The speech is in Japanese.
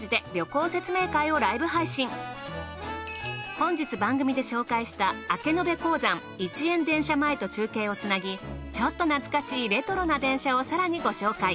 本日番組で紹介した明延鉱山一円電車前と中継をつなぎちょっと懐かしいレトロな電車を更にご紹介。